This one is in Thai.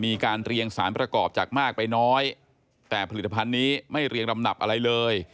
มีการเรียงสารประกอบจากมากไปน้อยแต่ผลิตภัณฑ์นี้ไม่เรียงลำดับอะไรเลย